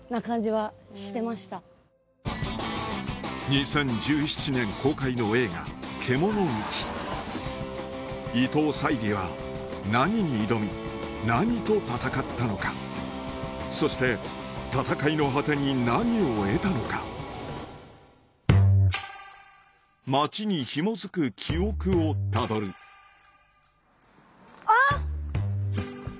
２０１７年公開の映画『獣道』伊藤沙莉は何に挑み何と闘ったのかそして闘いの果てに何を得たのか街にひも付く記憶をたどるあ！